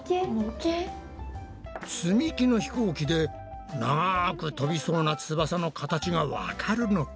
積み木の飛行機で長く飛びそうな翼の形がわかるのか？